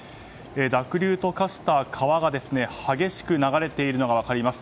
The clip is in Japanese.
濁流と化した川が激しく流れているのが分かります。